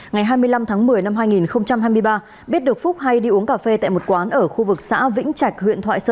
ngày hai mươi năm tháng một mươi năm hai nghìn hai mươi ba biết được phúc hay đi uống cà phê tại một quán ở khu vực xã vĩnh trạch huyện thoại sơn